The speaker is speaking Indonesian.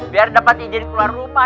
biar dapat izin keluar rumah